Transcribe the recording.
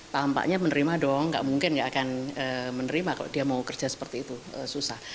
tampaknya menerima dong nggak mungkin nggak akan menerima kalau dia mau kerja seperti itu susah